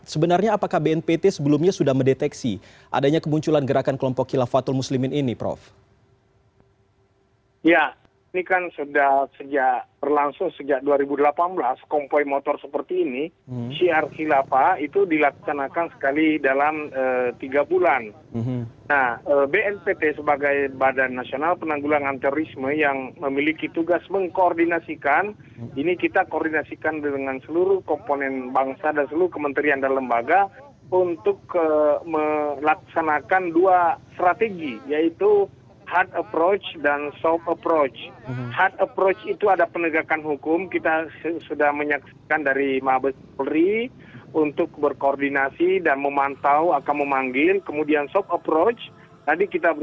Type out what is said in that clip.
sebenarnya apakah bnpt sebelumnya sudah mendeteksi adanya kemunculan gerakan kelompok kilafatul muslimin ini prof